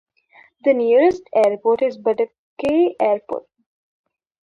The nearest airport is Batagay Airport.